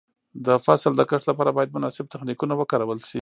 د فصل د کښت لپاره باید مناسب تخنیکونه وکارول شي.